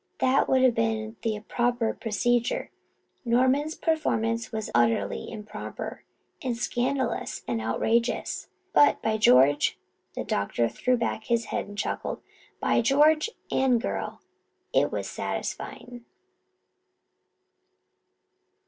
That would have been the proper procedure. Norman's performance was utterly improper and scandalous and outrageous; but, by George," the doctor threw back his head and chuckled, "by George, Anne girl, it was satisfying."